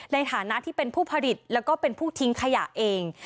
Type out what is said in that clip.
ในฐานะที่เป็นผู้ผลิตแล้วก็เป็นผู้ทิ้งขยะเอง